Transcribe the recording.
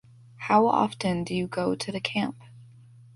How often do you go to the camp?